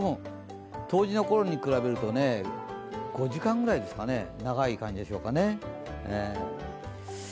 冬至のころに比べると５時間ぐらい長い感じでしょうか。